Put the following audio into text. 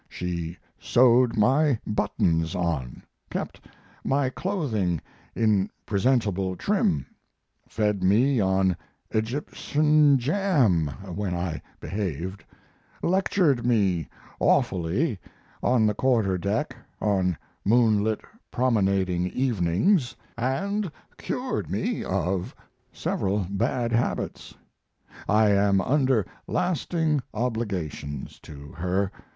She sewed my buttons on, kept my clothing in presentable trim, fed me on Egyptian jam (when I behaved), lectured me awfully on the quarter deck on moonlit promenading evenings, and cured me of several bad habits. I am under lasting obligations to her.